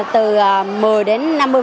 từ một mươi đến năm mươi